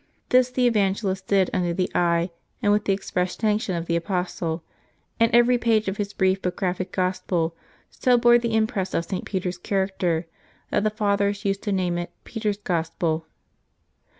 This the Evangelist did under the eye and with the express sanction of the apostle, and every page of his brief but graphic gospel so bore the impress of St. Peter's character, that the Fathers used to name it " Peter's Gospel.